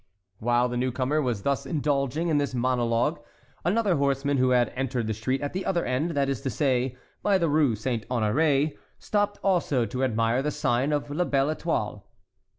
While the newcomer was thus indulging in this monologue another horseman who had entered the street at the other end, that is to say, by the Rue Saint Honoré, stopped also to admire the sign of La Belle Étoile.